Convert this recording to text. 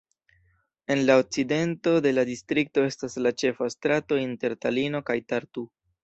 En la okcidento de la distrikto estas la ĉefa strato inter Talino kaj Tartu.